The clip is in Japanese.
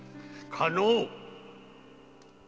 加納！